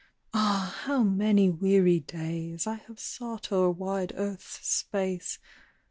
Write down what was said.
Ah, how many weary days I have sought o'er wide earth's space.